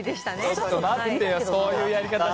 ちょっと待ってよ、そういうやり方。